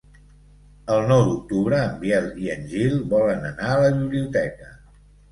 El nou d'octubre en Biel i en Gil volen anar a la biblioteca.